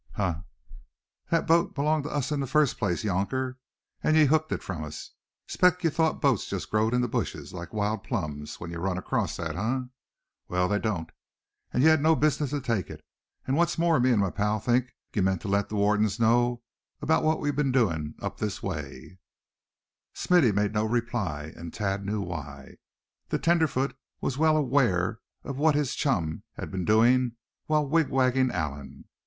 "Huh! thet boat belonged to us in the fust place, younker, an' ye hooked it from us. Spect ye thought boats jest growed in the bushes like wild plums, when ye run acrost that un. Wall, they don't, an' ye had no bizness to take it. An' what's more, me and my pal think ye mean to let the wardens know 'bout what we've been adoin' up this ways." Smithy made no reply, and Thad knew why. The tenderfoot was well aware of what his chum had been doing while wigwagging Allan.